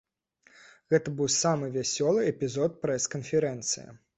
Гэта быў самы вясёлы эпізод прэс-канферэнцыі.